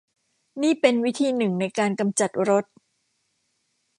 นี่เป็นวิธีหนึ่งในการกำจัดรถ